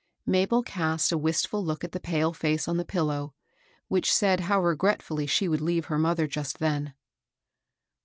Mabel cast a wistful look at the pale face on the pillow, wliich said how regretfully she would leave her mother just then.